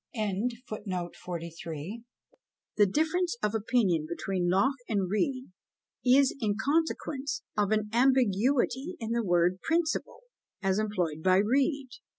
" The difference of opinion between Locke and Reid is in consequence of an ambiguity in the word principle, as employed by Reid.